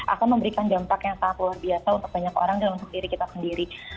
akan memberikan dampak yang sangat luar biasa untuk banyak orang dan untuk diri kita sendiri